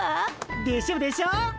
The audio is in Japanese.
でしょでしょ。